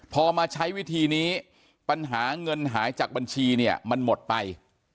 พอมาใช้วิธีนี้ปัญหาเงินหายจากบัญชีเนี่ยมันหมดไป